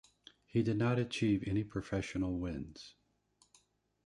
He did not achieve any professional wins.